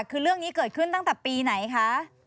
คือเรื่องนี้เกิดขึ้นตั้งแต่ปีไหนคะ